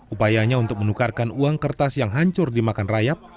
upayanya untuk menukarkan uang kertas yang hancur di makan rayap